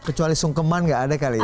kecuali sungkeman gak ada kali ya